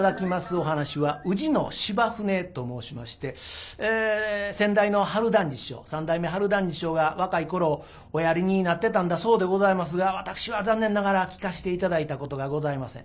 お噺は「宇治の柴舟」と申しまして先代の春団治師匠三代目春団治師匠が若い頃おやりになってたんだそうでございますが私は残念ながら聴かして頂いたことがございません。